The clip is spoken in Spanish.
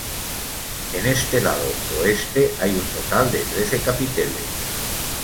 En este lado oeste hay un total de trece capiteles.